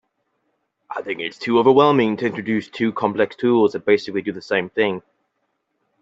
I think it’s too overwhelming to introduce two complex tools that basically do the same things.